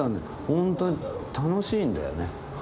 本当に楽しいんだよね。